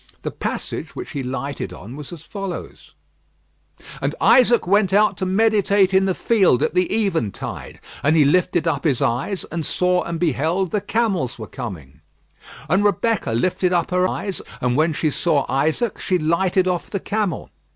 The passage which he had lighted on was as follows: "And Isaac went out to meditate in the field at the eventide, and he lifted up his eyes and saw and beheld the camels were coming. "And Rebekah lifted up her eyes, and when she saw Isaac she lighted off the camel.